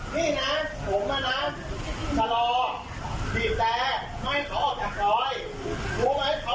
พี่ก็ไม่สมควรไปตบเขาอะ